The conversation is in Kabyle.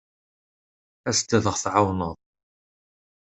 As-d ad aɣ-tɛawneḍ.